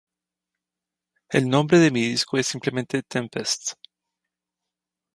El nombre de mi disco es simplemente "Tempest".